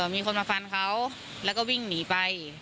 มีคนมาฟันเขาแล้วก็วิ่งหนีไป